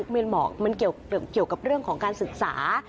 มันเกี่ยวกับเรื่องของการศึกษา